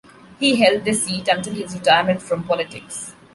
He held this seat until his retirement from politics.